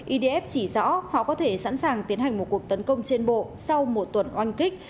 idf chỉ rõ họ có thể sẵn sàng tiến hành một cuộc tấn công trên bộ sau một tuần oanh kích